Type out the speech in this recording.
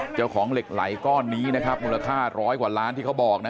เจ้าของเหล็กไหลก้อนนี้นะครับมูลค่าร้อยกว่าล้านที่เขาบอกนะ